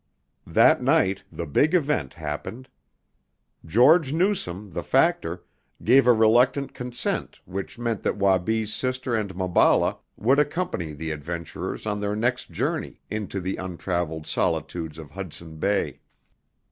That night the big event happened. George Newsome, the factor, gave a reluctant consent which meant that Wabi's sister and Maballa would accompany the adventurers on their next journey into the untraveled solitudes of Hudson Bay.